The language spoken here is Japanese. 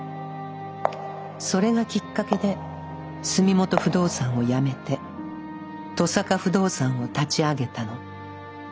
それがきっかけで住元不動産をやめて登坂不動産を立ち上げたの。